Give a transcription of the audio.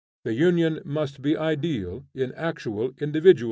The union must be ideal in actual individualism.